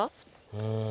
うん。